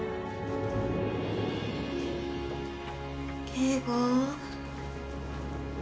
圭吾。